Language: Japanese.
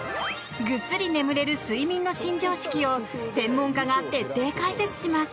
ぐっすり眠れる睡眠の新常識を専門家が徹底解説します。